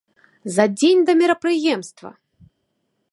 За дзень да мерапрыемства!